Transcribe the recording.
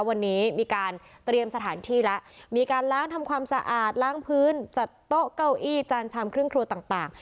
วันนี้มีการเตรียมสถานที่แล้วมีการล้างทำความสะอาดล้างพื้นจัดโต๊ะเก้าอี้จานชามเครื่องครัวต่าง